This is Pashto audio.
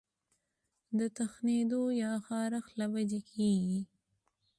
د تښنېدو يا خارښ له وجې کيږي